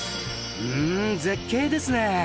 うん絶景ですね！